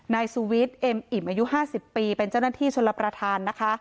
นายสุวิทย์เอ็มอิ่มอายุ๕๐ปีเป็นเจ้าหน้าที่ชลประธานนะคะ